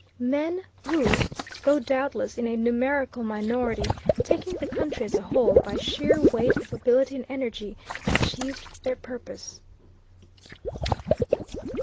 Men who, though doubtless in a numerical minority, taking the country as a whole, by sheer weight of ability and energy, achieved their purpose.